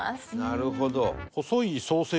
なるほど。